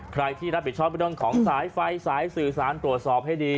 ใครที่รับผิดชอบเรื่องของสายไฟสายสื่อสารตรวจสอบให้ดี